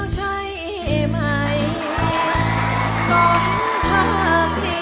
ช่วงใจจะกลับไปกับคุณสักตี